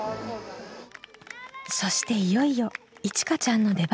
そしていよいよいちかちゃんの出番。